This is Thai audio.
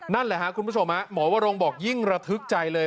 นั่นแหละครับคุณผู้ชมหมอวรงบอกยิ่งระทึกใจเลย